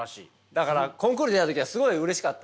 だからコンクール出た時はすごいうれしかったんですよ。